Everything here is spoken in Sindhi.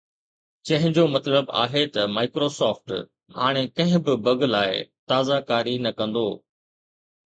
جنهن جو مطلب آهي ته Microsoft هاڻي ڪنهن به بگ لاءِ تازه ڪاري نه ڪندو